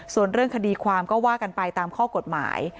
ส่วนเรื่องคดีความก็ว่ากันไปตามข้อกฎหมาย